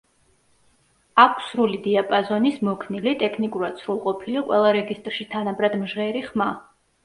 აქვს სრული დიაპაზონის, მოქნილი, ტექნიკურად სრულყოფილი, ყველა რეგისტრში თანაბრად მჟღერი ხმა.